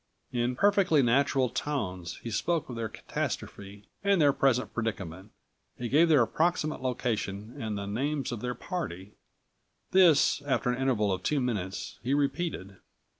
In perfectly natural tones he spoke of their catastrophe and their present predicament. He gave their approximate location and the names of their party. This after an interval of two minutes, he repeated.